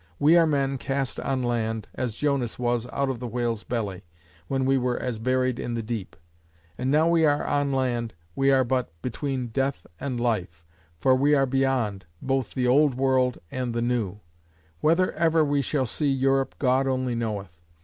We are men cast on land, as Jonas was, out of the whale's belly, when we were as buried in the deep: and now we are on land, we are but between death and life; for we are beyond, both the old world, and the new; and whether ever we shall see Europe, God only knoweth.